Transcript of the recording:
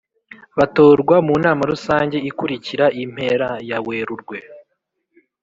Batorwa mu nama rusange ikurikira impera ya Werurwe